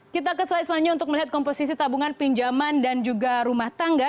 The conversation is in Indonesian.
kita ke slide selanjutnya untuk melihat komposisi tabungan pinjaman dan juga rumah tangga